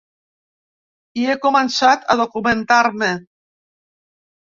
I he començat a documentar-me.